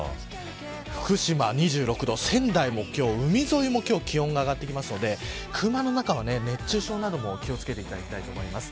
福島２６度、仙台も今日は海沿いも気温が上がってきますので車の中では熱中症などもお気を付けいただきたいと思います。